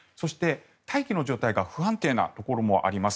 大気の状態が不安定なところもあります。